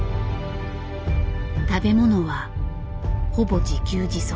食べ物はほぼ自給自足。